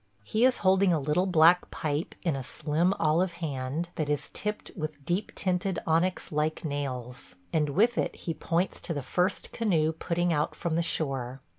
He is holding a little black pipe in a slim olive hand that is tipped with deep tinted onyx like nails, and with it he points to the first canoe putting out from shore.